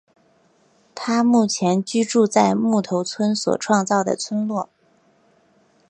他目前居住在木头村所创造的村落。